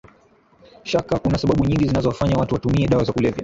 shaka kuna sababu nyingi zinazowafanya watu watumie dawa za kulevya